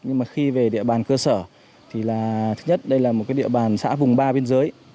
nhưng mà khi về địa bàn cơ sở thì là thứ nhất đây là một cái địa bàn xã vùng ba biên giới